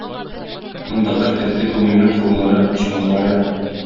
Мондадыр дәртле күңелнең хурлары, оҗмахлары.